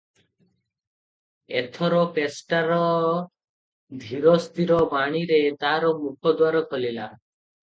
ଏଥର ପେଷ୍ଟାରର ଧୀରସ୍ଥିର ବାଣୀରେ ତାର ମୁଖଦ୍ୱାର ଖୋଲିଲା ।